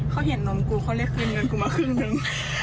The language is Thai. เขาเห็นนมกูเขาเรียกคืนเงินกูมาครึ่งนึง